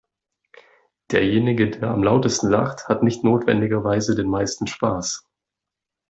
Derjenige, der am lautesten lacht, hat nicht notwendigerweise den meisten Spaß.